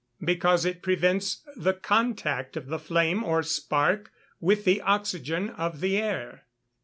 _ Because it prevents the contact of the flame or spark with the oxygen of the air.